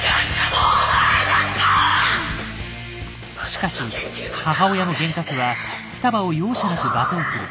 しかし母親の幻覚は双葉を容赦なく罵倒する。